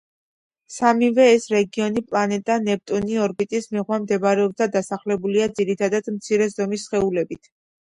სამივე ეს რეგიონი პლანეტა ნეპტუნის ორბიტის მიღმა მდებარეობს, და „დასახლებულია“ ძირითადად მცირე ზომის სხეულებით.